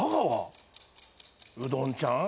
うどんちゃん？